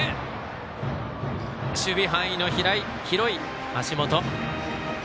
守備範囲の広い橋本。